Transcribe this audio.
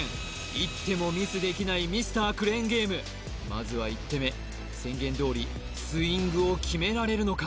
一手もミスできないＭｒ．クレーンゲームまずは１手目宣言どおりスウィングを決められるのか？